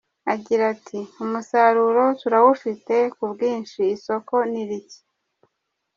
Agira ati “Umusaruro turawufite ku bwinshi, isoko ni rike.